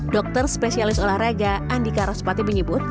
dokter spesialis olahraga andika rasupati menyebut